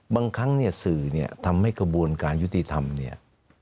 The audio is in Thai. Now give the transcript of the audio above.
บางครั้งสื่อทำให้กระบวนการยุติธรรมเนี่ย